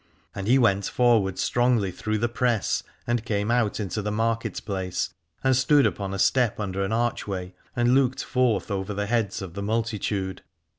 And he went forward strongly through the press, and came out into the market place and stood upon a step under an archway and looked forth over the heads of the multitude.